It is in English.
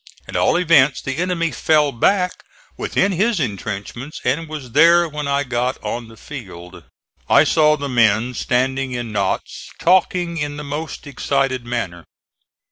At all events the enemy fell back within his intrenchments and was there when I got on the field. I saw the men standing in knots talking in the most excited manner.